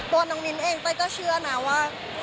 ตัวน้องมิ้นเองเต้ยก็เชื่อนะว่า